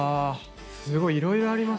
すごいいろいろありますね。